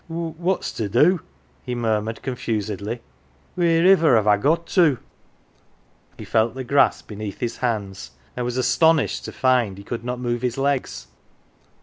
" What's to do ?" he murmured confusedly. " Wheer iver have I got to ?" He felt the grass beneath his hands, and was aston ished to find he could not move his legs.